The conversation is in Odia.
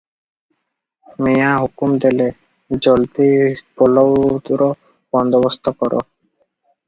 ମିଆଁ ହୁକୁମ ଦେଲେ, "ଯଲଦି ପଲାଉର ବନ୍ଦୋବସ୍ତ କର ।